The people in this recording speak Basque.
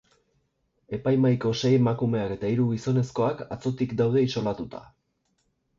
Epaimahaiko sei emakumeak eta hiru gizonezkoak atzotik daude isolatuta.